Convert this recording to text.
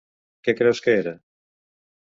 Què creus que era?